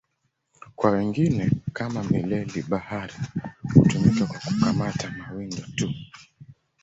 Kwa wengine, kama mileli-bahari, hutumika kwa kukamata mawindo tu.